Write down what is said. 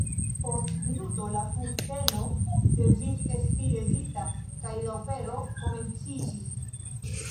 Post minuto la kurteno devis esti levita kaj la opero komenciĝi.